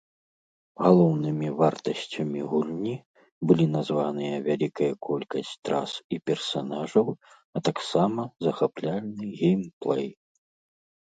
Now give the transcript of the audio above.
Галоўнымі вартасцямі гульні былі названыя вялікая колькасць трас і персанажаў, а таксама захапляльны геймплэй.